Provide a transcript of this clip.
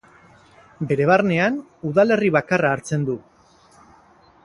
Bere barnean udalerri bakarra hartzen du.